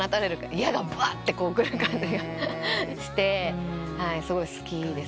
矢がばってくる感じがしてすごい好きです。